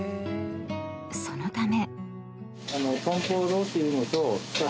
［そのため］